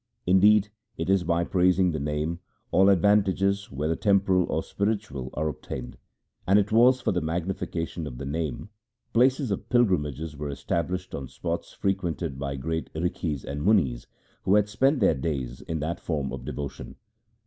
Indeed, it is by praising the Name all advantages, whether temporal or spiritual, are obtained ; and it was for the magnification of the Name places of pilgrimages were established on spots frequented by great Rikhis and Munis who had spent their days in that form of devotion.